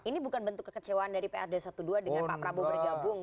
ini bukan bentuk kekecewaan dari prd satu dua dengan pak prabowo bergabung